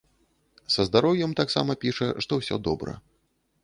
Са здароўем таксама піша, што ўсё добра.